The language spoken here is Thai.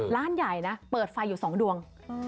ร้านใหญ่นะเปิดไฟอยู่๒ดวง